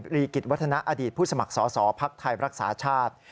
รีกิจวัฒนาอดีตผู้สมัครสอสอภักดิ์ไทยรักษาชาติ